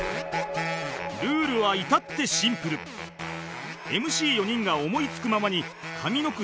ルールは至ってシンプルＭＣ４ 人が思いつくままに上の句下の句を考え